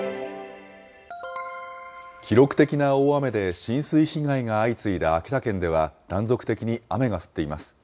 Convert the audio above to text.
記録的な大雨で浸水被害が相次いだ秋田県では、断続的に雨が降っています。